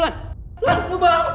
lan lu bangun